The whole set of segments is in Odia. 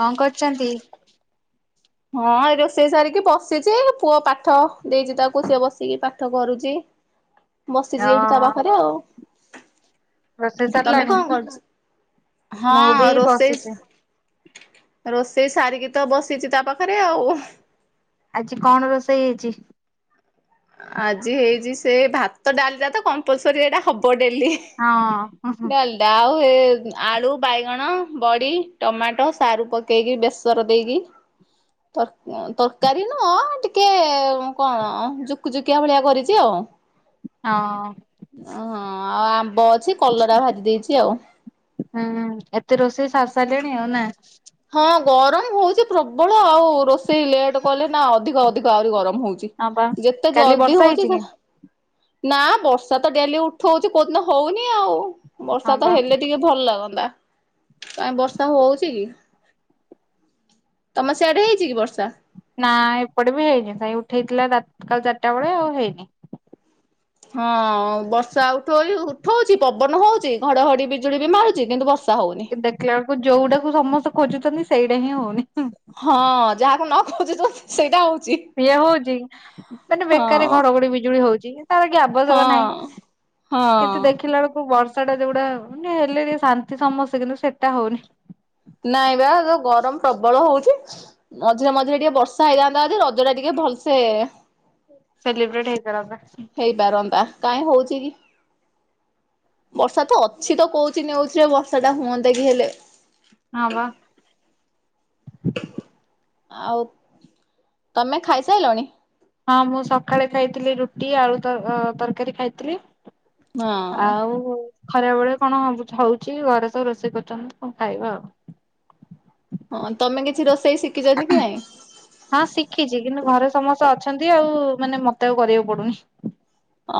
କଣ କରୁଛନ୍ତି। ହଁ ଏ ରୋଷେଇ ସାରିକି ବସିଛି ପୁଅ ପାଠ ଦେଇଛି ତାକୁ ସିଏ ବସିକି ପାଠ କରୁଛି। ଅ ବସିଛି ଏଇଠି ତା ପାଖରେ ଆଉ। ରୋଷେଇ ତମେ ସରିଲାଣି? କଣ କରଛ ମୁଁ ବି ହଁ ରୋଷେଇ ବସିଛି। ରୋଷେଇ ସାରିକି ତ ବସିଛି ତା ପାଖରେ ଆଉ ଆଜି କଣ ରୋଷେଇ ହେଇଛି। ଆଜି ହେଇଛି ସେ ଭାତ ଡାଲିଟା ତା କମ୍ପଲସରୀ ସେଟା ହବ ଡେଲି ହଁ ହଁ ଡାଲଡା ଆଉ। ଆଳୁ ବାଇଗଣ ବଡି ଟମାଟୋ ସାରୁ ପକେଇକି ବେସର ଦେଇକି ତରକାରୀ ନୁହଁ ଟିକେ କଣ ଯୁକ୍। ଯୁ କୁ ଯୁକୁଆ କିିଆ ଭଳିଆ କରିଛି ଆଉ। ହଁ। ହଁ ଆ ବ ଅଛି କଲରା ଭାଜି ଦେଇଛି ଆଉ ହୁଁ ଏତେ ରୋଷେଇ ସାରି ସାରିସାଲେଣି ଆଉ ନାଁ? ହଁ ଗରମ ହଉଛି ପ୍ରବଳ ଆଉ ରୋଷେଇ ଲେଟ୍ କଲେ ନା ଅଧିକ ଅଧିକ ଆହୁରି ଗରମ। ହଉଛି ହଁ ବା ଯେତେ କାଲି ଜଲଦି ବର୍ଷା ହଉଛି ହେଇଛି ସେ କି? ନା ବର୍ଷା ତ ଡେଲି ଉଠଉଛି କୋଉଦିନ ହଉନି ଆଉ। ହଁ ବର୍ଷା ବା ତ ହେଲେ ଟିକେ ଭଲ ଲାଗନ୍ତା ବା ତାଇ ବର୍ଷା ହଉଛି କି ତମ ସେଆଡେ ହେଇଛି କି ବର୍ଷା। ନା ଏପଟେ ବି ହେଇନି ଭାଇ ଉଠେଇଥିଲା ରା କାଲି ଚାରିଟା ବେଳେ ଆଉ ହେଇନି। ହଁ ବର୍ଷା ଉଠଉ ଉଠଉଛି ପବନ ହଉଛି ଘଡଘଡି ବିଜୁଳି ବି ମାରୁଛି କିନ୍ତୁ ବର୍ଷା ହଉନି। କି ଦେଖିଲା ବେଳକୁ ଯୋଉଟାକୁ ସମସ୍ତେ ଖୋଜୁଛନ୍ତି। ସାଇଟା ହିଁ ହଉନି । ହଁ ଯାହାକୁ ନ ଖୋଜୁଛ ସେଇଟା ହଉ- ଇଏ ହଉଚି ମାନେ ବେକାର ହଁ ଘଡ଼ଘଡ଼ି ବିଜୁଳି ହଉଚି। କି- ତାର କି ଆବଶ୍ୟକ ହଁ। ନାହିଁ କିନ୍ତୁ ହଁ। ଦେଖିଲା ବେଳକୁ ବର୍ଷ୍ ବର୍ଷା ଟା ଯୋଗୁଡା ମାନେ ହେଲେ ଟିକେ ଶାନ୍ତି ସମସ୍ତେ କିନ୍ତୁ ସେଇଟା ହଉନି। ନାଇଁ ବା ଏ ଗରମ ପ୍ରବଳ ହଉଚି। ମଝିରେ ମଝିରେ ଟିକେ ବର୍ଷା ହେଇଯାନ୍ତା ଯଦି ରଜ ଟା ଟିକେ ଭଲ ସେ- ସେଲିବ୍ରେଟ୍ ହେଇପାରନ୍ତା। କାଇଁ ହଉଚି କି? ବର୍ଷା ତ ଅଛି ତ କହୁଚି ନ୍ୟୁଜ୍ ରେ ବର୍ଷା ଟା ହୁଅନ୍ତା କି ହେଲେ। ହଁ ବା। ଆଉ ତମେ ଖାଇ ସାଇଲଣି। ହଁ ମୁଁ ସକାଳେ ଖାଇଥିଲି ରୁଟି ଆଳୁ ତ ତରକାରୀ ଖାଇଥିଲି। ହଁ। ଆଉ ଖରା ବେଳେ କଣ ହଉଛି ଘରେ ତ ରୋଷେଇ କରୁଛନ୍ତି କଣ ଖାଇବା ଆଉ । ହଁ ତମେ କି କି ରୋସ ହଁ ଶିଖିଛି କିନ୍ତୁ ଘରେ ସମସ୍ତେ ଅ ଅଛନ୍ତି ଆଉ ମାନେ ମତେ ଆଉ କରିବାକୁ ପଡୁ଼ନି।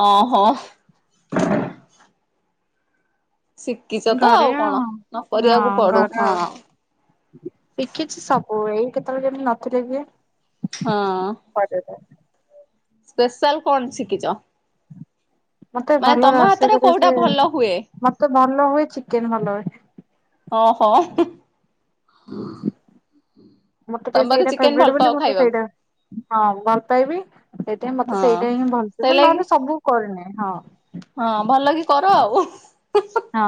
ଓହୋ। ଶିଖିଛ ତ ଆଉ କଣ ନ ହଁ କରିବାକୁ ପଡୁ଼ ଘରେ ହଁ। ଆଉ ଓ ଏଇ କେତେବେଳେ କେମିତି ନଥିଲେ କିଏ- ହଁ। କରିଦେଇଥାଏ। ସ୍ପେସାଲ୍ କଣ ଶିଖିଚ। ମତେ ଭଲ ରଷେଇ କରେ କୋଉଟା ଆସେ ଭଲ ହୁଏ? ମତେ ଭଲ ଭଲ ହୁଏ ଚିକେନ୍ ଭଲ ହୁଏ। ଓ ହଁ । ମତେ ଟିକେ ତମେ ବୋଧେ ସେଇଟା ଚିକେନ ଭଲ ଫେଭେରେଟ୍ ପାଅ ବୋଲି ମତେ ଖାଇବାକୁ। ସେଇଟା ହଁ ଭଲ ପାଏବି ସେଇଥିପାଇଁ ମତେ ହଁ ସେଇଟା ହିଁ ଭଲ ସେ ସେଇ ଲାଗି ନହେଲେ ସବୁ କରେନି । ହଁ। ହଉ । ହଁ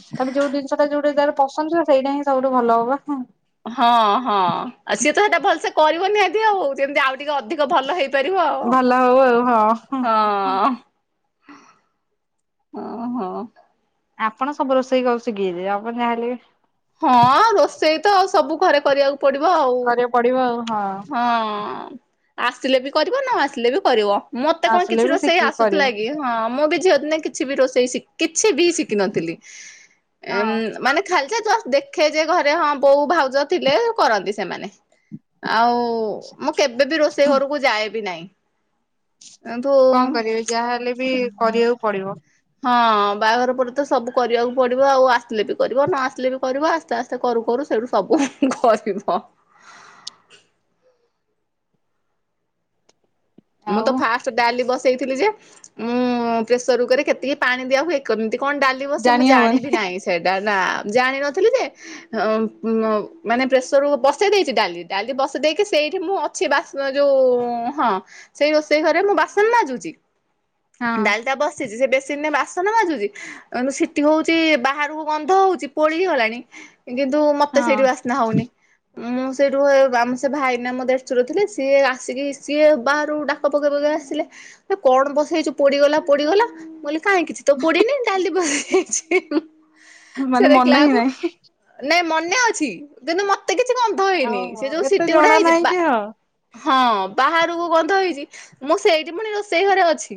ତମେ ଯୋଉ ଜିନିଷ ଟା ଯୋଉଟା ଯାର- ପସନ୍ଦ ଥିବ ସେଇଟା ହିଁ ସବୁଠୁ ଭଲ ହବ। ହଁ ହଁ ଆଉ ସିଏ ତ ସେଟା ଭଲସେ କରିବ ନିହାତି ଆଉ ଟିକେ ଅଧିକ ଭଲ ହେଇପାରିବ ଆଉ ଭଲ ହଉ ଆଉ ହଁ ହଁ। ଓ ହୋ। ଆପଣ ସବୁ ରୋଷେଇ କରି ଶିଖି ଯାଇଛନ୍ତି ଆପଣ ଯାହା ହେଲେ ବି ହଁ ରୋଷେଇ ତ ଆଉ ସବୁ ଘରେ କରିବାକୁ। ପଡିବ ଆଉ କରିବାକୁ ପଡିବ ଆଉ ହଁ [inaudible] ନ ହଁ। ଆସିଲେ ବି କରିବ ନ ଆସିଲେ ବି କରିବ। ମତେ କଣ ଆସିଲେ କିଛି ବି ରୋଷେଇ ଶିଖିକି ଆସୁଥିଲା କରିବୁ। କି, ହଁ ମୁଁ ବି ଝିଅ ଦିନେ କିଛି ବି ରଷେଇ ସି କିଛି ବି ସି କିନଥିଲି ହଁ ମାନେ ଖାଲି ଯା ଦେଖେ ଯେ ଘରେ ହଁ ବୋଉ ଭାଉଜ ଥିଲେ କରନ୍ତି। ସେମାନେ ଆଉ ମୁଁ କେବେ ବିି ରୋଷେଇ ଘରକୁ ଯାଏବି ନାହିଁ। କିନ୍ତୁ କଣ କରିବି। ଯାହାହଲେ ବି କରିବାକୁ ପଡିବ। ହଁ ବାହାଘର ପରେ ତ ସବୁ କରିବାକୁ ପଡିବ ଆଉ। ଆସିଲେ ବି କରିବ ନ ଆସିଲେ ବି କରିବ। ଆସ୍ତେ ଆସ୍ତେ କରୁ କରୁ ସେଇଠୁ ସବୁ କରିବ। ମୁଁ ଆଉ ତ ଫାଷ୍ଟ ଡାଲି ବସେଇଇି। ଥିଲି ଯେ ମୁଁ ପ୍ରେସର କୁକର ରେ କେତିକି ପାଣି ଦିଆ ହୁଏ। କେମିତ୍ କଣ ଡାଲି ବସେ ମୁଁ ଜାଣି ହବନି। ଜାଣିବି ନାହିଁ ସେଇଟା। ନା ଜାଣିନଥିଲି ଯେ ଅ ମାନେ ପ୍ରେସରରୁ ବସେଇ ଦେଇଛି ଡାଲି। ଡାଲି ବସେଇ ଦେଇକି ସେଇଠି ମୁଁ ଅଛି। ବାସ୍ ଯୋଉ ହଁ। ସେଇ ରୋଷେଇ ଘରେ ମୁଁ ବାସନ ମାଜୁଚି। ହଁ। ଡାଲିଟା ବସିଛି ସେ ବେସ୍ ସିନେ ବାସନ ମାଜୁଛି। ସିଟି ହଉଛି ବାହାରକୁ ଗନ୍ଧ ହଉଚି ପୋଡିଗଲାଣି। କିନ୍ତୁ ମତେ ହଁ ସେଇଠି ବାସ୍ନା ହଉନି। ମୁଁ ସେଇଠୁ ଆ ଆମ ସେ ଭାଇନା ମୋ ଦେଢଶୂର ଥିଲେ। ସିଏ ଆସିକି ସିଏ ବା ଠୁ ଡାକ ପକେଇ ପକେଇ ଆସିଲେ। କଣ ବସେଇଚୁ ପୋଡିଗଲା ପୋଡିଗଲା ମୁଁକହିଲି କାହିଁକି କିଛି ତ ପୋଡିିନି ଡାଲି ବସ୍ ଠିକ୍ଛି। ମାନେ ମନେ ହିଁ ନାହିଁ। ନେ ଅଛି କିନ୍ତୁ ମତେ କି ଓହୋ ଏତେ ଜଣା ନାହିଁ ବା କି ହଁ। ହଁ ବାହାରକୁ ଗନ୍ ନ୍ଧ ହେଇଚି। ମୁଁ ସେଇଠି ପୁଣି ରୋଷେଇ ଘରେ ଅଛି।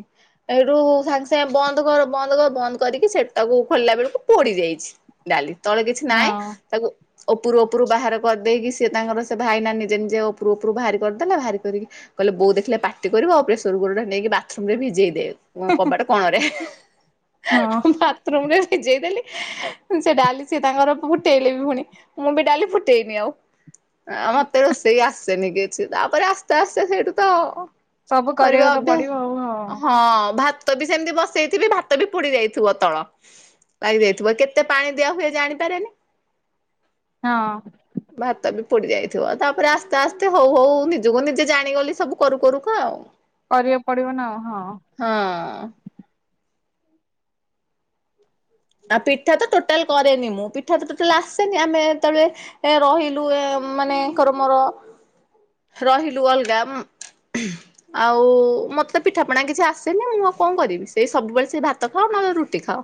ଏଇଠୁ ସାଙ୍ଗେ ସାଙ୍ଗେ ବନ୍ଦ କର ବନ୍ଦ କର ବନ୍ଦ କରିକି ସେଟାକୁ ଖୋଲିଲା ବେଳକୁ ପୋଡି ଯାଇଛି ଡାଲି। ତଳେ କିଛି ନାହିଁ। ହଁ ତାକୁ ଓପୁରୁ ଓପୁରୁ ବାହାର କରିଦେଇକି। ସିଏ ତାଙ୍କର ସେ ଭାଇନା ନିଜେ ନିଜେ ଓପୁରୁ ଓପୁରୁ ବାହାରି କରିଦେଲା। ବାହାରି କରିକି କହିଲେ ବୋଉ ଦେଖି ଥିଲେ ପାଟି କରିବ। ଆଉ ପ୍ରେସର କୁକରଟା ନେଇକି ବାଥରୁମରେ ଭିଜେଇ ଦେଇଆ। କବାଟ କଣରେ ହଁ [unintelligible] ବାଥରୁମରେ। ଭିଜେଇ ଦେଲି। ସେ ଡାଲି ସି ତାଙ୍କର ଫୁଟେଇଲେ ବି ଫୁଣି ମୁଁ ବି ଡାଲି ଫୁଟେଇନି ଆଉ। ମତେ ରୋଷେଇ ଆସେନି କିଛି ତାପରେ ଆସ୍ତେ ଆସ୍ତେ ସେଇଠୁ ତ ସବୁ [inaudible] କରିବା କରିବାକୁ ତ ଅଭ୍ୟାସ ପଡିବ ଆଉ ହଁ ଭାତ୍ ଭାତ ବି ସେମିତି ବସେଇଥିବି ଭାତ ବି ପୋଡି ଯାଇଥିବ। ତଳ ଲାଗିଯାଇଥିବ କେତେ ପାଣି ଦିଆ ହୁଏ ଜାଣିପାରେନି। ହଁ। ଭାତ ବି ପୋଡି ଯାଇଥିବ ତାପରେ ଆସ୍ତେ ଆସ୍ତେ ହଉ ହଉ ନିଜକୁ ନିଜେ ଜାଣିଗଲି ସବୁ କରୁ କରୁ କା ଆଉ, କରିବାକୁ ପଡିବ ନା ଆଉ ହଁ। ହଁ ଆଉ ପିଠା ତ ଟୋଟାଲ କରେନି ମୁଁ ପିଠା ତ ଟୋଟାଲ ଆସେନି ଆମେ ଯେତେବେଳେ ରହିଲୁ ଏ ମାନେ ଆଙ୍କର ମୋର ରହିଲୁ ଅଲଗା ଆଉ ମତେ ପିଠାପଣା କିଛି ଆସେନି ମୁଁ ଆଉ କଣ କରିବି ସେଇ ସବୁବେଳେ ସେ ଭାତ ଖାଉ ନହେଲେ ରୁଟି ଖାଉ।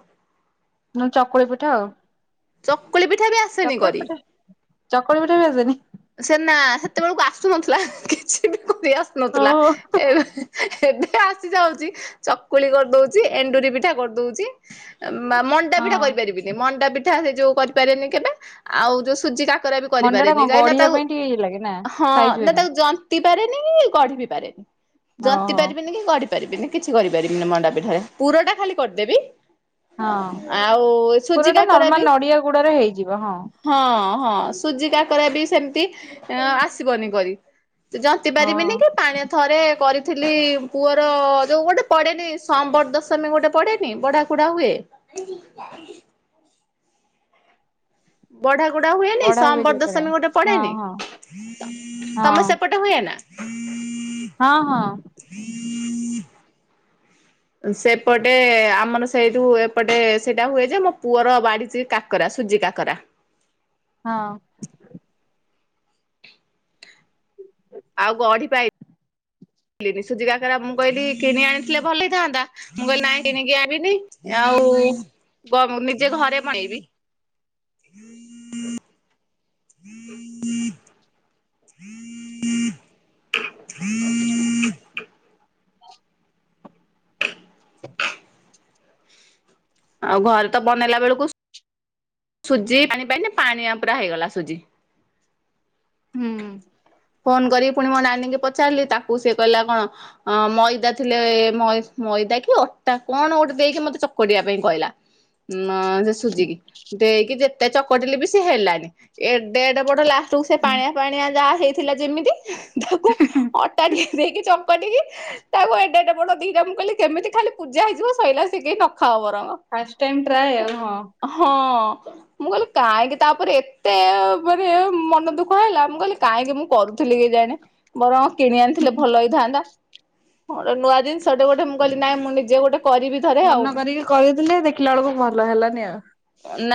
ନହଲେ ଚକୁଳି ପିଠା ଆଉ ଚକୁଳି ପିଠା ବି ଆସେନି ଚକୁଳି କରି ପିଠା ଚକୁଳି ପିଠା ବି ଆସେନି। ସେ ନା ସେତେବେଳକୁ ଆସୁନଥି ଲା କିଛି ବି କରି ଆସୁନଥିଲା ହଁ। ଏବେ। ଏବେ ଆସି ଯାଉଛି ଚକୁଳି କରିଦଉଛି ଏଣ୍ଡୁରି ପିଠା କରିଦଉଛି। ମଣ୍ଡା ପିଠା ହଁ କରିପାରିବିନି ମଣ୍ଡାପିଠା ସେ ଯୋଉ କରିପାରେନି କେବେ ଆଉ ଯୋଉ ସୁଜି କାକ୍ ରା ବି ମଣ୍ଡା ଟା କରିପାରେନି କଣ କାହିଁ ନା ଗଢିବା ତାକୁ ପାଇଁ ଟିକେ ଇଏ ଲାଗେ ନା ହଁ ସାଇଜ ନା ହୁଏନି ତାକୁ ଯନ୍ତ୍ ଜନ୍ତି ପାରେନି କି ଗଢି ବି ପାରେନି ଟି ହଉ ଜନ୍ତି ହଉ। ପାରିବିନି କି ଗଢ଼ି ପାରିବିନି କିଛି କରିପାରିବିନି ମଣ୍ଡା ପିଠାରେ ପୁର ଟା ଖାଲି କରିଦେବି। ଆ ହଁ ଆଉ ସୁଜି ପୁରଟା ବି ନଡିଆ ଗୁଡରେ ହେଇଯିବ ହଁ। ହଁ ହଁ ସୁଜି କାକରା ବି ସେମିତି ଆସିବନି କରି ଜନ୍ତି ପାରିବିନି ହଁ। କି ପାଣିଆ ଥରେ କରି ଥିଲି ପୁଅର ଯୋଉ ଗୋଟେ ପଡେନି ସମ୍ବର ଦଶମୀ ଗୋଟେ ପଡେନି ବଢା କୁଢା ହୁଏ। ବଢ଼ା ଗୋଡା ହୁଏନି ବଢା ହୁଏ ସମ୍ବର ଯୋଉଥିରେ ଦଶମୀ ଗୋଟେ ହଁ ପଡେନି ହଁ ହଁ ତମ ସେପଟେ ହୁଏ ନାଁ? [unintelligible] ହଁ ହଁ। [unintelligible] ସେପଟେ ଆମର ସେଇଠୁ ଏପଟେ ସେଇଟା ହୁଏ ଯେ ମୋ ପୁଅର ବାଢ଼ିଛି କାକରା ସୁଜି କାକରା ହଁ। ଆଉ ଗଢି ପାଇ ଲିନି ସୁଜି କାକରା ମୁଁ କହିଲି କିଣି ଆଣିଥିଲେ ଭଲ ହେଇଥାନ୍ତା ମୁଁ କହିଲି ନାହିଁ କିଣିକି ଆଣିବିନି ଆଉ ନିଜେ ଘରେ ବନେଇବି। ଆଉ ଘରେ ତ ବନେଇଲା ବେଳକୁ । ସୁଜି ପାଣି ପାଇନି ପାଣିଆ ପୁରା ହେଇଗଲା ସୁଜି । ହୁଁ। ଫୋନ କରି । ପୁଣି ମୋ ନାନୀଙ୍କି ପଚାରିଲି ତାକୁ ସିଏ କହିଲା କଣ ମଇଦା ଥିଲେ ମଇଦା କି ଅଟା କଣ ଗୋଟେ ଦେଇକି ମତେ ଚକଟିବା ପାଇଁ କହିଲା ଉମ୍ ସେ ସୁଝିକି । ଦେଇକି ଯେତେ ଚକଟିଲେ ବି ସେ ହେଲନି ଏଡେ ଏଡେ ବଡ ଲାଷ୍ଟ୍ । କୁ ସେ ପାଣିଆ ପାଣିଆ ଯା। ହେଇଥିଲା ଯେମିତି । ତାକୁ ଅଟା ଟି ଦେଇକି ଚକଟିକି ତାକୁ ଏଡେ ଏଡ଼େ ବଡ ଦିଟା ମୁଁ କିଇଲି କେମିତି ଖାଲି ପୂଜା ହେଇଯିବ ସେ କେଇ ନଖାଉ ବ ଫାଷ୍ଟ ଟାଇମ ଟ୍ରଏ ଆଉ ହଁ। ମୁଁ କହିଲି କାହିଁକି ତାପରେ ଏତେ ମାନେ ମନ ଦୁଃଖ ହେଲା ମୁଁ କହିଲି କାହିଁକି ମୁଁ କରୁଥିଲି କି ଜାଣି ବରଂ କିଣି ଆଣିଥିଲେ ଭଲ ହେଇଥାନ୍ତା ହଯେ ନୂଆ ଜିନିଷ ଗଟେ ଗୋଟେ ମୁଁ କହଲି ନହିଁ ମୁଁ ନିଜେ ଗୋଟେ କରିବି ଥରେ ମନ ଆଉ। କରିକି କରିଥିଲେ ଦେଖିଲା ବେଳକୁ ଭଲ ହେଲାନି ଆଉ।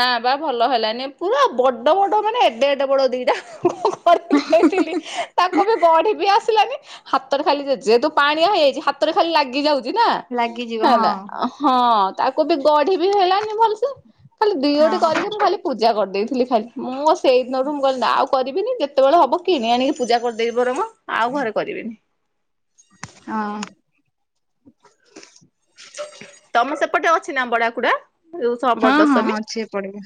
ନା ବା ଭଲ ହେଲାନି ପୁରା ବଡ଼ ବଡ଼ ମାନେ ଏଡେ ଏଡେ ବଡ଼ ଦିଇଟା । କରିକି ଦେଇଥିଲି ତାକୁ । ଗଢି ବି ଆସିଲାନି ହାତରେ ଖାଲି ଯେହେତୁ ପାଣିଆ ହେଇଯାଇଛି ହାତରେ ଖାଲି ଲାଗି ଯାଉଛି । ଲାଗିଯିବ ନା ହଁ ହେଲା ହଁ ତାକୁ ବି ଗଢି ବି ହେଲାନି ଭଲସେ । ଖାଲି ଦିଓ। ହଁ ଟି କରିକି ମୁଁ ଖାଲି ପୂଜା କରିଦେଇଥିଲି । ଖାଲି ମୁଁ ଆଉ ସେଇ ଦିନରୁ ମୁଁ କହିଲି ନା ଆଉ କରିବିନି ଯେତେବେଳେ ହବ କିଣି ଆଣିକି ପୂଜା କରିଦେବିି ବରଂ ଆଉ ଘରେ କରିବିନି । ହଁ । ତମ ସେପଟେ ଅଛି ନା ବଡା । କୁଡ଼ା । ହଁ ହଁ ହଁ ଅଛି ଏପଟେ ବି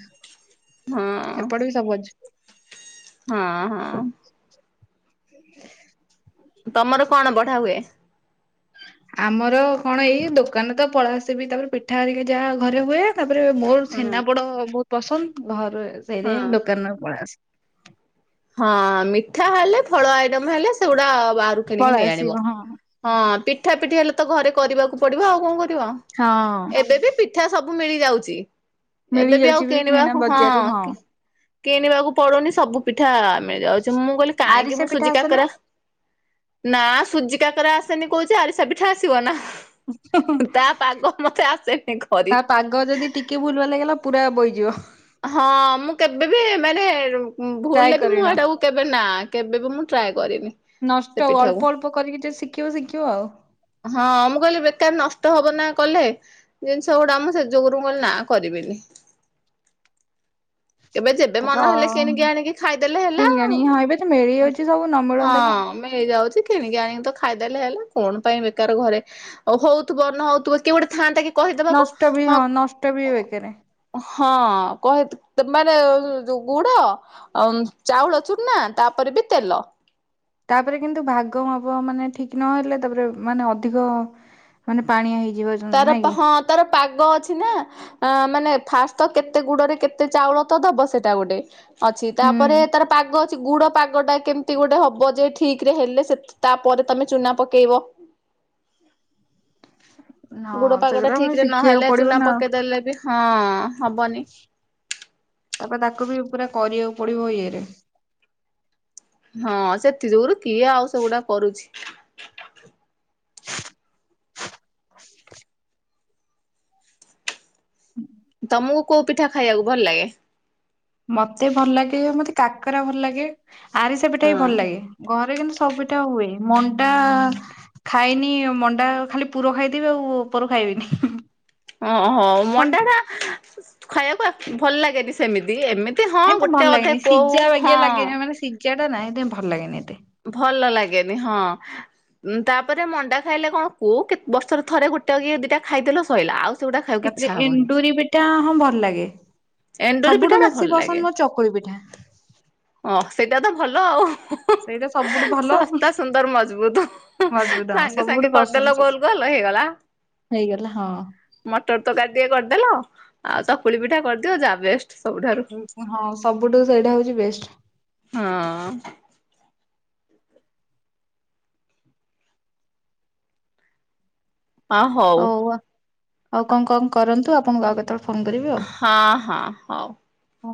ହଁ ଏପଟେ ବି ସବୁ ଅଛି । ହଁ ହଁ । [unintelligible] ତମର କଣ ବଢା ହୁଏ । ଆମର କଣ ଏଇ ଦୋକାନରେ ତ ପଳା ଆସେବି ତାପରେ ପିଠା ହରିକି ଯାହା ଘରେ ହୁଏ। ତାପରେ ମୋର ହଁ ଚେନାପୋଡ ବହୁତ । ପସନ୍ଦ ଘରେ । ହଁ ସେଇଥି ପାଇଁ ଦୋକାନରୁ ପଲେଇ ଆସେ । ହଁ ମିଠା ହେଲେ ଫଳ ଆଇଟମ ହେଲେ ସେଗୁଡା । ବାହାରୁ କିଣିକି ପଳେଇ ନେଇ ଆସିବ ଆଣିବ ହଁ ହଁ ପିଠା ପିଠି ହେଲେ । ଘରେ କରିବାକୁ ପଡିବ ଆଉ କଣ କରିବା ହଁ ଏବେ ବି ପିଠା ସବୁ ସବୁ ମିଳି ଯାଉଛି। ଏବେ ବି ଆଉ ମିଳିଯାଉଛି କିଣା କିଣିବାକୁ ବଜାରରୁ ହଁ କିଣିବାକୁ ପଡୁନି ସବୁ ପିଠା ମିଳି ଯାଉଛି ମୁଁ କହିଲି କାହିଁକି ଆରିସା ମୁଁ ପିଠା ସୁଜି ଆସେ ନା କାକରା ନା ସୁଜି କାକରା ଆସେନି କହୁଚି ଆରିସା ପିଠା ଆସିବ ନା ହୁଁ ହୁଁ ତା ପାଗ ମତେ ଆସେନି କରି। ତା ପାଗ ଯଦି ଟିକେ ଭୁଲ ଭାଲ ହେଇଗଲା ପୁରା ବହି ଯିବ । ହଁ ମୁଁ କେବେ ବି ମାନେ ଟ୍ରାଏ ଭୁଲରେ ବି ମୁଁ କରିନ। ଏଟାକୁ କେବେ ନା କେବେ ବି ମୁଁ ଟ୍ରାଏ କରିନି ନଷ୍ଟ ସେ ଅଳ୍ପ ପିଠାକୁ ଅଳ୍ପ କରିକି ଯ ଶିଖିବ ଶିଖିବ ଆଉ ହଁ ମୁଁ କହିଲି ବେକାର ନଷ୍ଟ ହବ ନା କଲେ ଜିନିଷ ଗୋଟା ଆମ ସେ ଯୁଗରୁ କହ ନା କରିବିନି । କେବେ ଯେବେ ତାପରେ ମନ ହେଲେ କିଣିକି ଆଣିକି ଖାଇଦେଲେ ହେଲା ଆଉ କିଣିଆଣି ହଁ ଏବେ ତ ମିଳିଯାଉଛି ସବୁ ନ ହଁ ମିଳନ୍ତା କି ମିଳିଯାଉଛି । କିଣିକି ଆଣିକି ତ ଖାଇଦଲେ ହେଲା କଣ ପାଇଁ ବେକାର ଘରେ ଆଉ ହଉଥିବ ନ ହଉଥିବ କିଏ ଗୋଟେ ଥାନ୍ତା କି? ନଷ୍ଟ ବି ହଁ ନଷ୍ଟ ବି ବେକେରେ ହଁ କହେ ମାନେ ଯୋଉ ଗୁଡ ଆଉ ଚାଉଳ ଚୁନା ତାପରେ ବି ତେଲ ହଁ ତାପରେ କିନ୍ତୁ ଭାଗ ମାପ ମାନେ ଠିକ ନହଲେ ତାପରେ ମାନେ ଅଧିକ ମାନେ ପାଣିଆ ହେଇ ତାର ହଁ ତାର ପାଗ ଅଛି ନା ଅ ମାନେ ଫାଷ୍ଟ ତ କେତେ ଗୁଡରେ କେତେ ଚାଉଳ ତ ଦବ ସେଇଟା ଗୋଟେ ଅଛି ତାପରେ ତାର ପାଗ ଗୁଡ ପାଗ ଟା କେମିତି ଗୋଟେ ହବ ଯେ ଠିକ ରେ ହେଲେ ତାପରେ ତମେ ଚୁନା ପକେଇବ । ଗୁଡ ହଁ ପାଗଟା ସେଗୁରା ମାନେ ଠିକ ରେ ଶିଖିବାକୁ ନହେଲେ ପଡିବ ଚୁନା ନା ଆଉ ପକେଇଦେଲେ ବି ହଁ ହବନି । ତାପରେ ତାକୁ ବି ପୁରା କରିବାକୁ ପଡିବ ଇଏରେ ହଁ ସେଥି ଯୋଗୁଁ କିଏ ଆଉ ସେଗୁଡା କରୁଛି? [unintelligible] [unintelligible] ହୁଁ ତମକୁ କୋଉ ପିଠା ଖାଇବାକୁ ଭଲ ଲାଗେ? ମତେ ଭଲ ଲାଗେ ମତେ କାକରା ଭଲ ଲାଗେ । ଆରିସା ପିଠା ବି ହଁ ଭଲ ଲାଗେ ଘରେ କିନ୍ତୁ ସବୁଟା ହୁଏ ମଣ୍ଡା ଖାଇନି ମଣ୍ଡା ଖାଲି ପୁର ଖାଇଦେବି ଆଉ ଉପର ଖାଇବିନି । ଓହୋ ମଣ୍ଡା ଟା ଖାଇବାକୁ ଭଲ ଲାଗେନି ସେମିତି ଏମିତି ହଁ ଏତେ ଗୋଟେ ଭଲ ଅଧେ ଲାଗେନି କୋଉ ସିଝା ବାଗିଆ ଲାଗେ ହଁ ମାନେ ସିଝା ସେଟା ନାଇଁ ଭଲ ଲାଗନି ଏତେ । ଭଲ ଲାଗେନି ହଁ ତାପରେ ମଣ୍ଡା ଖାଇଲେ କଣ କୋଉ କେତେ ବର୍ଷର ଥରେ ଗୋଟେ କିଏ ଦିଟା ଖାଇଦେଲ ସଇଲା ଆଉ । ତାପରେ ଏଣ୍ଡୁରି ପିଠା ହଁ ଭଲ ଲାଗେ ଏଣ୍ଡୁରି ପିଠା ସବୁଠୁ ଟା ବେଶୀ ଭଲ ଲାଗେ ପସନ୍ଦ ମୋ ଚକୁଳି ପିଠା । ଅ ସେଇଟା ତ ଭଲ ଆଉ । ସେଇଟା ଶସ୍ତା ସୁନ୍ଦର ମଜବୁତ ମଜବୁତ ହଁ ସାଙ୍ଗେ ସବୁଠୁ ସାଙ୍ଗେ କରିଦେଲ ପସନ୍ଦ ସେ ଗୋଲ ଗୋଲ ହେଇଗଲା ହେଇଗଲା ହଁ। ମଟର ତରକାରୀ ଟିକେ କରିଦେଲ ଆଉ ଚକୁଳି ପିଠା କରିଦିଅ ଯା ବଷ୍ଟ ହଁ ସବୁଠୁ ସେଇଟା ହଉଛି ବେଷ୍ଟ। ହଁ ହ ହଉ। ଆଉ କଣ କଣ କରନ୍ତୁ ଆପଣଙ୍କ ଆ କଥା ହଁ ହଁ ହଉ। ଓ